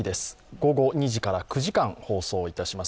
午後２時から９時間放送いたします。